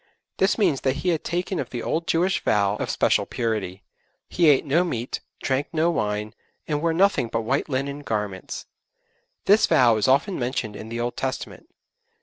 This means that he had taken the old Jewish vow of special purity; he ate no meat, drank no wine, and wore nothing but white linen garments. This vow is often mentioned in the Old Testament.